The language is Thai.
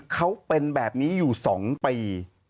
เขาเป็นแบบนี้อยู่๒ปี